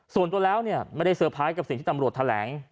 ส่วนตัวแล้วไม่ได้เซอร์ไพรส์กับสิ่งที่ตำรวจแถลง